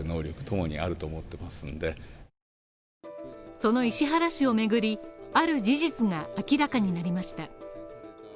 その石原氏をめぐり、ある事実が明らかになりました。